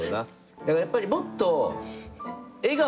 だからやっぱりもっと笑顔。